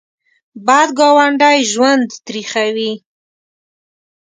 بد ګاونډی ژوند تریخوي